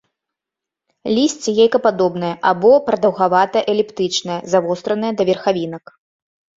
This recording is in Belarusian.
Лісце яйкападобнае або прадаўгавата-эліптычнае, завостранае да верхавінак.